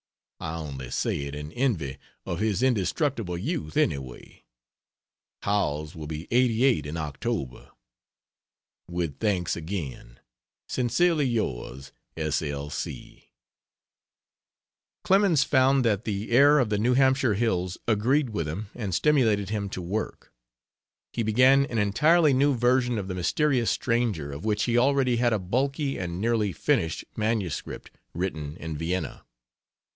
I only say it in envy of his indestructible youth, anyway. Howells will be 88 in October.) With thanks again, Sincerely yours, S. L. C. Clemens found that the air of the New Hampshire hills agreed with him and stimulated him to work. He began an entirely new version of The Mysterious Stranger, of which he already had a bulky and nearly finished manuscript, written in Vienna.